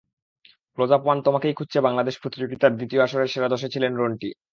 Closeup one তোমাকেই খুঁজছে বাংলাদেশ প্রতিযোগিতার দ্বিতীয় আসরের সেরা দশে ছিলেন রন্টি।